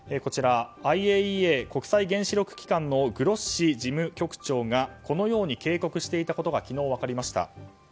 ＩＡＥＡ・国際原子力機関のグロッシ事務局長がこのように警告していたことが昨日、分かりました。